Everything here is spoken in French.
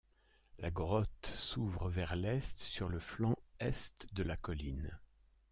La grotte s'ouvre vers l'est sur le flanc est de la colline.